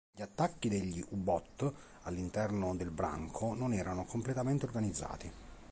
Gli attacchi degli "U-Boot" all'interno del branco non erano completamente organizzati.